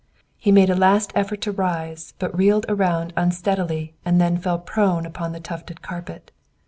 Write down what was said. He made a last desperate effort to rise, but reeled around unsteadily and then fell prone upon the tufted carpet.